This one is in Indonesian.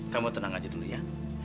kamu tenang aja dulu ya